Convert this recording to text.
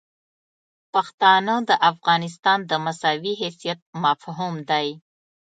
پښتانه د افغانستان د مساوي حیثیت مفهوم دي.